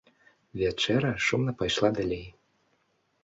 Вячэра шумна пайшла далей.